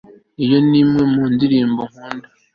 iyo ni imwe mu ndirimbo nkunda